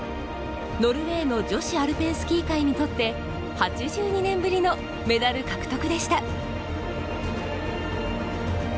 ノルウェーの女子アルペンスキー界にとって８２年ぶりのメダル獲得でした。